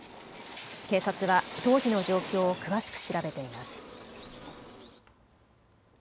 警察は当時の状況を詳しく調べています。